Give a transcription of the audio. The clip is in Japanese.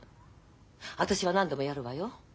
私は何でもやるわよ。